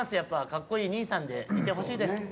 かっこいい兄さんでいてほしいです。